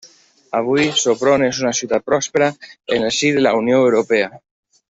Avui, Sopron és una ciutat pròspera en el si de la Unió Europea.